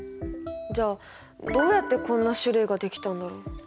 じゃあどうやってこんな種類ができたんだろう？